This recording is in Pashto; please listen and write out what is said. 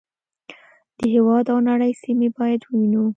د هېواد او نړۍ سیمې باید ووینو.